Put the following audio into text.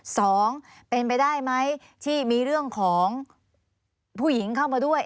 สองเป็นไปได้ไหมที่มีเรื่องของผู้หญิงเข้ามาด้วย